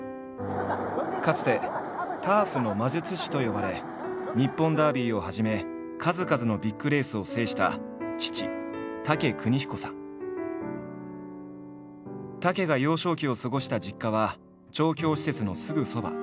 かつて「ターフの魔術師」と呼ばれ日本ダービーをはじめ数々のビッグレースを制した武が幼少期を過ごした実家は調教施設のすぐ側。